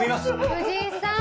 藤井さん。